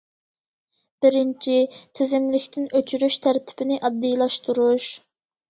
بىرىنچى، تىزىملىكتىن ئۆچۈرۈش تەرتىپىنى ئاددىيلاشتۇرۇش.